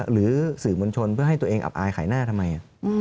หรือสื่อมวลชนเพื่อให้ตัวเองอับอายขายหน้าทำไม